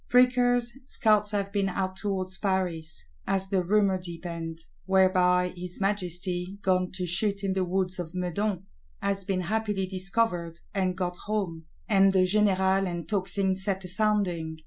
Prickers, scouts have been out towards Paris, as the rumour deepened: whereby his Majesty, gone to shoot in the Woods of Meudon, has been happily discovered, and got home; and the générale and tocsin set a sounding.